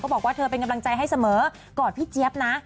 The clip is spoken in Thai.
บอกว่าเธอเป็นกำลังใจให้เสมอกอดพี่เจี๊ยบนะ